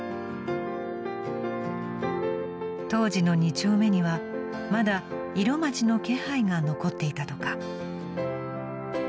［当時の二丁目にはまだ色街の気配が残っていたとか］